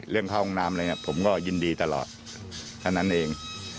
เรื่องเข้าห้องน้ำอะไรเนี่ยผมก็ยินดีตลอดฉะนั้นเอง